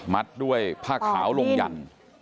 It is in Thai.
มัดด้วยผ้าขาวลงหยั่น